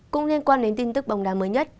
cũng liên quan đến tin tức bóng đá mới nhất